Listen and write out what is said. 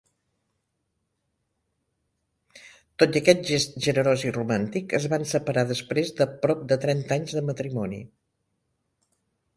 Tot i aquest gest generós i romàntic es van separar després de prop de trenta anys de matrimoni.